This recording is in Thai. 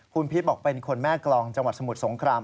คุณพีชบอกเป็นคนแม่กรองจังหวัดสมุทรสงคราม